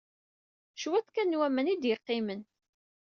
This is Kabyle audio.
Cwiṭ kan n waman ay d-yeqqimen.